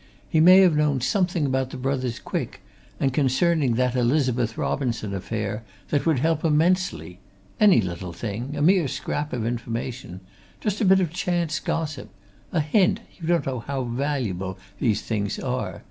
"He may have known something about the brothers Quick and concerning that Elizabeth Robinson affair that would help immensely. Any little thing! a mere scrap of information just a bit of chance gossip a hint you don't know how valuable these things are.